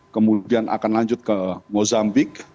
kemudian akan lanjut ke mozambik